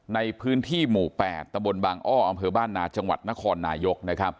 ในพื้นที่หมู่๘ตะบนบางอ้ออำเภอบ้านนาจังหวัดนครนายก